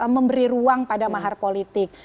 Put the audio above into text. memberi ruang pada mahar politik